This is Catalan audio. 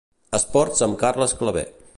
Esports amb Carles Claver.